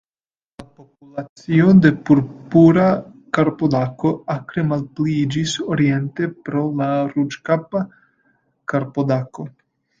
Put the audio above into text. La populacio de Purpura karpodako akre malpliiĝis oriente pro la Ruĝkapa karpodako.